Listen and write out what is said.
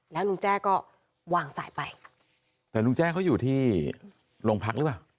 แล้วลุงแจ้ก็วางสายไปแต่ลุงแจ้เขาอยู่ที่โรงพักหรือเปล่า